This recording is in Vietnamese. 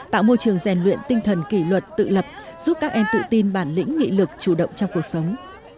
tạo môi trường rèn luyện tinh thần kỷ luật tự lập giúp các em tự tin bản lĩnh nghị lực chủ động trong cuộc sống